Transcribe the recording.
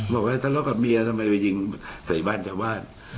บอกว่าทะเลาะกับเมียทำไมไปยิงใส่บ้านชาวบ้าน